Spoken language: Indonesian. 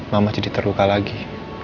mama jadi terluka lagi